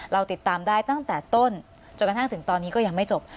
เราติดตามได้ตั้งแต่ต้นจนกระทั่งถึงตอนนี้ก็ยังไม่จบ